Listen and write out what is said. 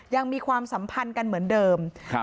ยังมีความสัมพันธ์กันเหมือนเดิมครับ